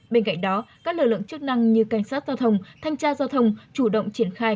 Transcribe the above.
bên cạnh đó các lực lượng chức năng như cảnh sát giao thông thanh tra giao thông chủ động triển khai